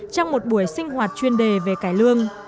trong một buổi sinh hoạt chuyên đề về cải lương